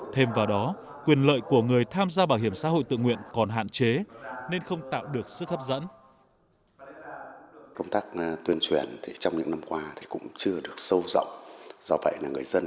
thêm vào đó quyền lợi của người tham gia bảo hiểm xã hội tự nguyện còn hạn chế nên không tạo được sức hấp dẫn